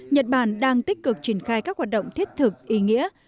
nhật bản đang tích cực triển khai các hoạt động thiết thực ý nghĩa